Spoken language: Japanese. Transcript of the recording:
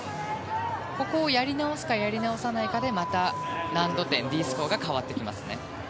ここをやり直すか、やり直さないかでまた難度点Ｄスコアが変わってきます。